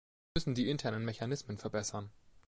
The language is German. Wir müssen die internen Mechanismen verbessern.